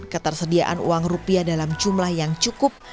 ketersediaan uang rupiah dalam jumlah yang cukup